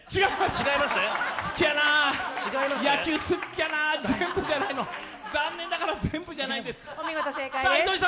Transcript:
違います、好きやな、野球好っきゃなー、全部じゃないの残念ながら全部じゃないんです。